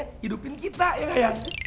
hidupin kita ya gak yang